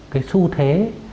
cái xu thế